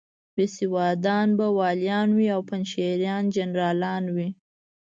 بېسوادان به والیان وي او پنجشیریان جنرالان وي.